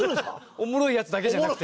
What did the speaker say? おもろいヤツだけじゃなくて？